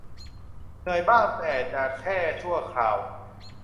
เหนื่อยบ้างแต่จะแค่ชั่วคราว